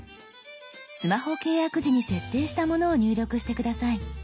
スマホ契約時に設定したものを入力して下さい。